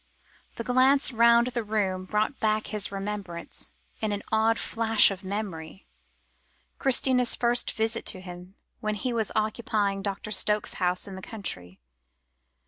That glance round the room, brought back to his remembrance, in an odd flash of memory, Christina's first visit to him, when he was occupying Dr. Stokes's house in the country.